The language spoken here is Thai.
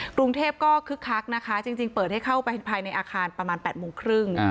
กรุงเทพก็คึกคักนะคะจริงเปิดให้เข้าไปภายในอาคารประมาณ๘โมงครึ่ง